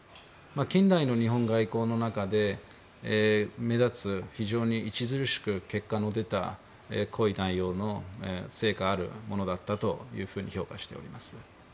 近代の日本外交の中で目立つ、非常に著しく結果の出た濃い内容の成果あるものだったと評価しております。